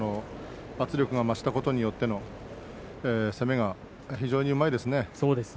圧力が増したことによっての攻めが非常にうまいですね。